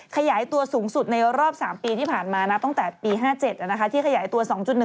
ขยายตัวสูงสุดในรอบ๓ปีที่ผ่านมาตั้งแต่ปี๕๗ที่ขยายตัว๒๑